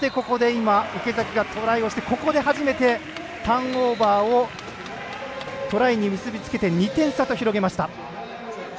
池崎がトライをしてここで初めてターンオーバーをトライに結び付けて２点差と広げました。